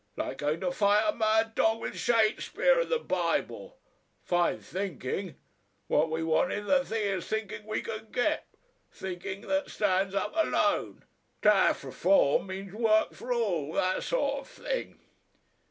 Like going to fight a mad dog with Shasepear and the Bible. Fine thinking what we want is the thickes' thinking we can get. Thinking that stands up alone. Taf Reform means work for all, thassort of thing."